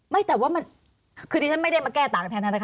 ไม่แต่ว่ามันคือที่ฉันไม่ได้มาแก้ต่างแทนธนาคาร